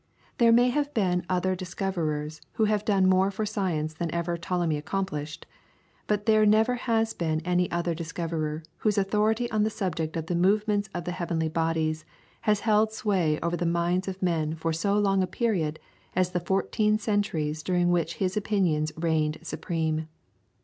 There may have been other discoverers who have done more for science than ever Ptolemy accomplished, but there never has been any other discoverer whose authority on the subject of the movements of the heavenly bodies has held sway over the minds of men for so long a period as the fourteen centuries during which his opinions reigned supreme.